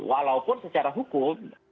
walaupun secara hukum